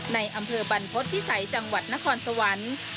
ในอำเภอบรรพฤษภิษัยจังหวัดนครสวรรค์